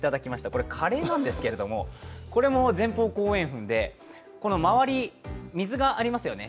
これ、カレーなんですがこれも前方後円墳で、周り、水がありますよね